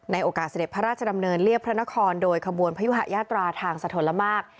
โอกาสเสด็จพระราชดำเนินเรียบพระนครโดยขบวนพยุหะยาตราทางสะทนละมาก